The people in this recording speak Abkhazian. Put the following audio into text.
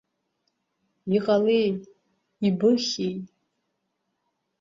Иҟалеи, ибыхьи?